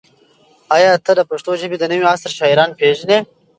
ایا ته د پښتو ژبې د نوي عصر شاعران پېژنې؟